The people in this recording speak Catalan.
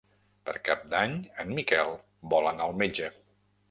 Per Cap d'Any en Miquel vol anar al metge.